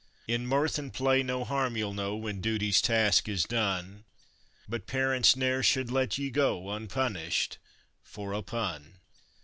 In mirth and play no harm you'll know when duty's task is done; But parents ne'er should let ye go un_pun_ished for a PUN.